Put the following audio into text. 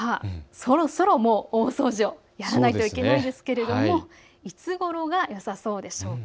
そろそろ大掃除をやらなければいけないですがいつごろがよさそうでしょうか。